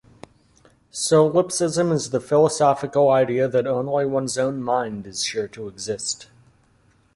Solipsism is the philosophical idea that only one's own mind is sure to exist.